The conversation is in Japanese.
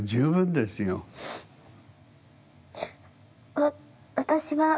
わ私は。